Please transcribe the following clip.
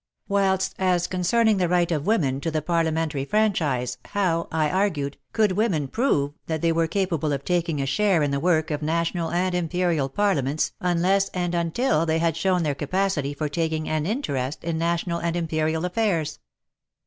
Whilst as concerning the right of women to the parliamentary franchise, how, I argued, could "^oxw^xi prove that they were capable of taking a share in the work of national and imperial parliaments, unless and until they had shown their capacity for taking an interest in national and imperial affairs